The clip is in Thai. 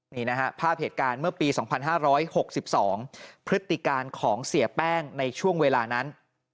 นี่นะฮะภาพเหตุการณ์เมื่อปี๒๕๖๒พฤติการของเสียแป้งในช่วงเวลานั้น